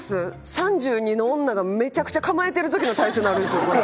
３２の女がめちゃくちゃ構えてる時の体勢になるんですよこれ。